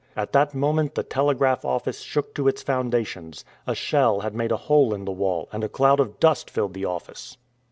At that moment the telegraph office shook to its foundations. A shell had made a hole in the wall, and a cloud of dust filled the office.